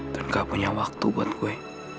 dan gak punya waktu buat gue